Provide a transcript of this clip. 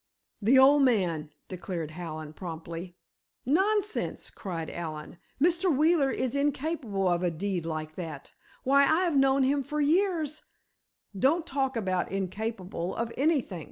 "The old man," declared Hallen, promptly. "Nonsense!" cried Allen. "Mr. Wheeler is incapable of a deed like that! Why, I've known him for years——" "Don't talk about incapable of anything!"